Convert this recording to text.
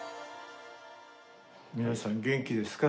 皆さん元気ですか。